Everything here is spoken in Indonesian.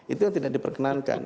itu yang tidak diperkenankan